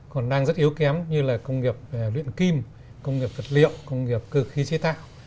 còn đang rất yếu kém như là công nghiệp luyện kim công nghiệp vật liệu công nghiệp cơ khí chế tạo